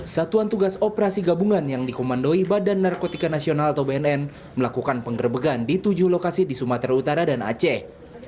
satuan tugas operasi gabungan yang dikomandoi badan narkotika nasional atau bnn melakukan penggerbegan di tujuh lokasi di sumatera utara dan aceh